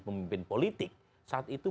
pemimpin politik saat itu